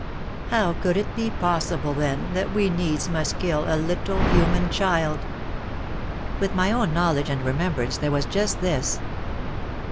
How could it be possible then that we needs must kill a little human child ! Within my own knowledge and remembrance there was just this